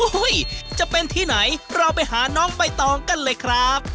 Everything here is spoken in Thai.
จะเป็นที่ไหนเราไปหาน้องใบตองกันเลยครับ